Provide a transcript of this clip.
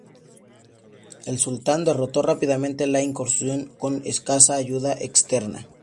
El sultán derrotó rápidamente la incursión con escasa ayuda externa.